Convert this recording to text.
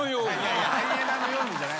「ハイエナのように」じゃない。